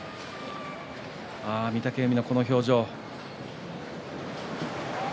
御嶽海のこの表情。